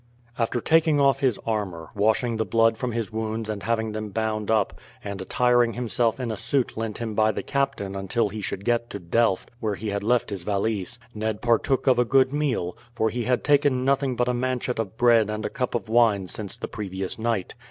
After taking off his armour, washing the blood from his wounds and having them bound up, and attiring himself in a suit lent him by the captain until he should get to Delft, where he had left his valise, Ned partook of a good meal, for he had taken nothing but a manchet of bread and a cup of wine since the previous night.